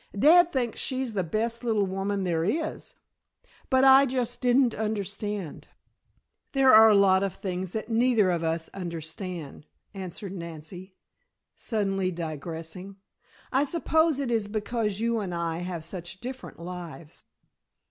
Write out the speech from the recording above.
Dad thinks she's the best little woman there is, but I just didn't understand." "There are a lot of things that neither of us understand," answered Nancy, suddenly digressing. "I suppose it is because you and I have such different lives.